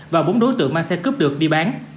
và bốn đối tượng mang xe cướp được đi bán